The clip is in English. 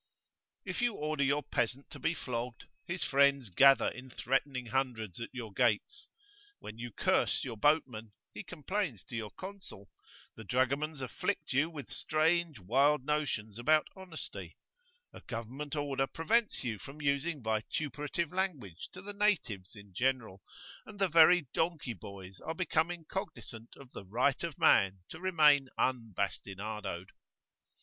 If you order your peasant to be flogged, his friends gather in threatening hundreds at your gates; when you curse your boatman, he complains to your consul; the dragomans afflict you with strange wild notions about honesty; a Government order prevents you from using vituperative language to the "natives" in general; and the very donkey boys are becoming cognisant of the right of man to remain unbastinadoed.